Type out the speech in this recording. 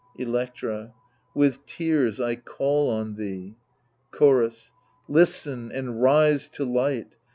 Electra With tears I call on thee. Chorus Listen and rise to light